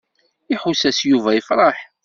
Iḥuss-as Yuba yefṛeḥ.